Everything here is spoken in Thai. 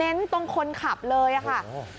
เน้นตรงคนขับเลยอะค่ะ